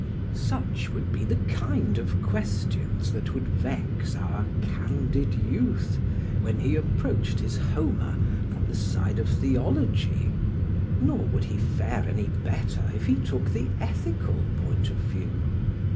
Such would be the kind of questions that would vex our candid youth when he approached his Homer from the side of theology. Nor would he fare any better if he took the ethical point of view.